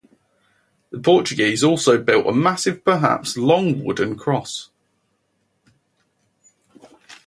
The Portuguese also built a massive-perhaps long-wooden cross.